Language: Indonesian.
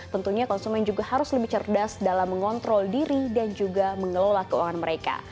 tentunya konsumen juga harus lebih cerdas dalam mengontrol diri dan juga mengelola keuangan mereka